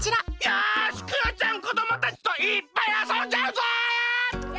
よしクヨちゃんこどもたちといっぱいあそんじゃうぞ！